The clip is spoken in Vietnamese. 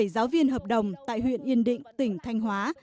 sáu trăm bốn mươi bảy giáo viên hợp đồng tại huyện yên định tỉnh thanh hóa